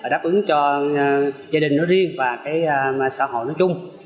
đáp ứng cho gia đình nó riêng và cái xã hội nó chung